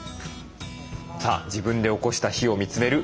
さあ自分でおこした火を見つめる今井さん。